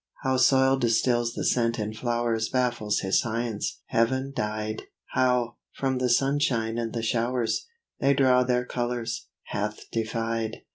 How soil distils the scent in flowers Baffles his science: heaven dyed, How, from the sunshine and the showers, They draw their colors, hath defied.